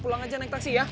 pulang aja naik taksi ya